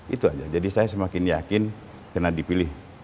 itu aja jadi saya semakin yakin karena dipilih